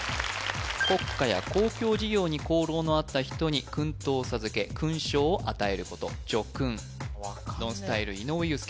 国家や公共事業に功労のあった人に勲等を授け勲章を与えることじょくんＮＯＮＳＴＹＬＥ井上裕介